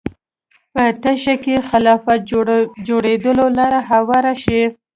په تشه کې خلافت جوړېدو لاره هواره شي